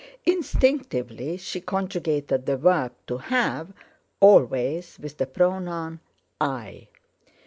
Instinctively she conjugated the verb "to have" always with the pronoun "I."